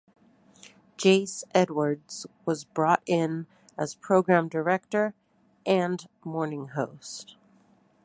Jace Edwards was brought in as Program Director and Morning Host.